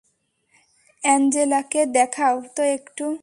অ্যাঞ্জেলাকে দেখাও তো একটু!